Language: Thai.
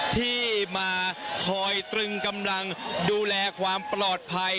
ที่มาคอยตรึงกำลังดูแลความปลอดภัย